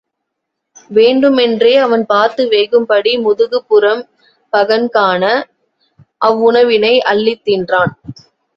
வேண்டுமென்றே அவன் பார்த்து வேகும்படி முதுகுப் புறம் பகன் காண அவ்வுணவினை அள்ளித் தின்றான்.